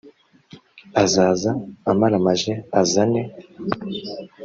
azaza amaramaje azane